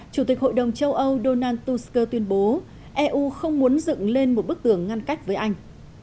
chủ tịch hội đồng châu âu donald tusk tuyên bố eu không muốn dựng lên một bức tường ngăn cách với anh